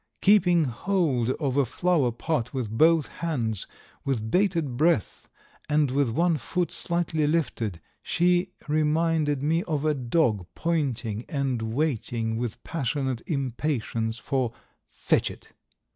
Keeping hold of a flower pot with both hands, with bated breath and with one foot slightly lifted, she reminded me of a dog pointing and waiting with passionate impatience for "Fetch it!"